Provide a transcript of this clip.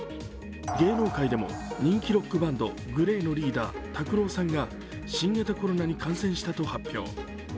芸能界でも人気ロックバンド、ＧＬＡＹのリーダー、ＴＡＫＵＲＯさんが新型コロナに感染したと発表。